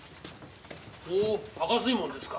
おお『赤水門』ですか。